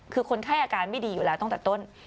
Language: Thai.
คือคนไข้อาการไม่ดีอยู่แล้วตั้งแต่ต้น